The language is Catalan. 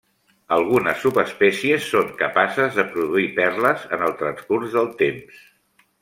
Algunes subespècies són capaces de produir perles en el transcurs del temps.